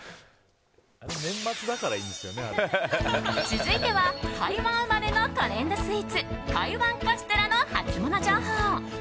続いては台湾生まれのトレンドスイーツ台湾カステラのハツモノ情報。